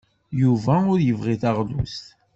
Yuba ur yebɣi taɣlust.